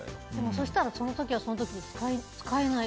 そうしたら、その時はその時で使えない。